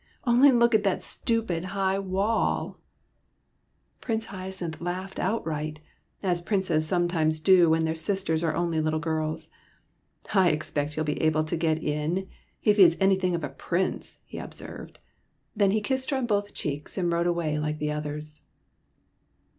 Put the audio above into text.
'' Only look at that stupid high wall !" 74 SOMEBODY ELSE'S PRINCE Prince Hyacinth laughed outright, as princes sometimes do when their sisters are only little girls. '' I expect he '11 be able to get in, if he is anything of a prince," he observed. Then he kissed her on both cheeks, and rode away like the others.